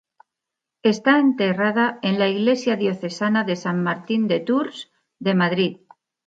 Está enterrada en la iglesia diocesana de San Martín de Tours de Madrid.